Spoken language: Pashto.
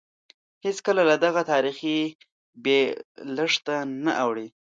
هېڅکله له دغه تاریخي بېلښته نه اوړي.